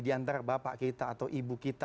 di antara bapak kita atau ibu kita